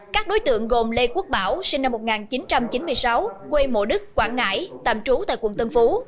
các đối tượng gồm lê quốc bảo sinh năm một nghìn chín trăm chín mươi sáu quê mộ đức quảng ngãi tạm trú tại quận tân phú